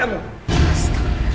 akan gue susah